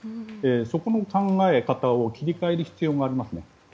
そこの考え方を切り替える必要がありますね。